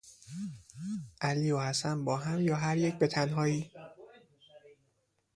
علی و حسن با هم یا هر یک به تنهایی